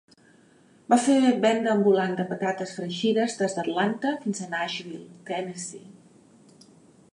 Va fer venta ambulant de patates fregides des d'Atlanta fins a Nashville, Tennessee.